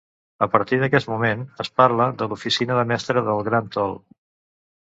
A partir d’aquest moment, es parla de l’oficina de mestre del Gran Tol.